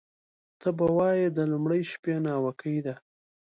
ته به وایې د لومړۍ شپې ناوکۍ ده